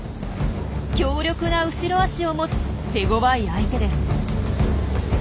強力な後ろ足を持つ手ごわい相手です。